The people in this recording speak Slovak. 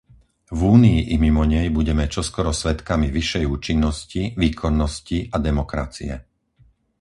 V Únii i mimo nej budeme čoskoro svedkami vyššej účinnosti, výkonnosti a demokracie.